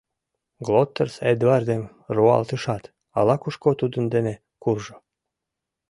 — Глоттерс Эдвардым руалтышат, ала-кушко тудын дене куржо.